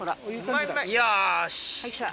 よし。